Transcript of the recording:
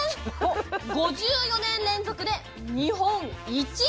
５４年連続で日本１位。